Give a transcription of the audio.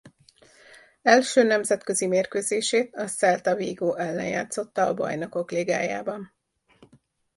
Első nemzetközi mérkőzését a Celta Vigo ellen játszotta a bajnokok ligájában.